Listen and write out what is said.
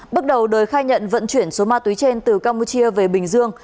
bước đầu đời khai nhận vận chuyển số ma túy trên từ campuchia về bình dương